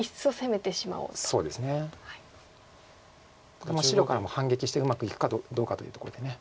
ただ白からも反撃してうまくいくかどうかというところで。